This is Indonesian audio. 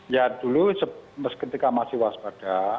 ya dulu ketika masih waspada